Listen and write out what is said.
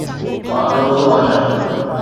مان روزو آهيان